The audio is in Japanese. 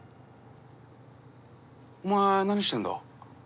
お前何してるんだ？